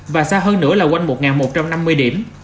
và xa hơn nữa là quanh một một trăm năm mươi điểm